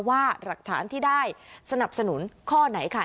ว่าหลักฐานที่ได้สนับสนุนข้อไหนค่ะ